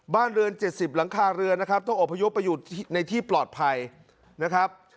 บ้านเรือน๗๐หลังคาเรือนนะครับต้องอบพยพไปอยู่ในที่ปลอดภัยนะครับ